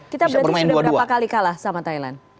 kita berarti sudah berapa kali kalah sama thailand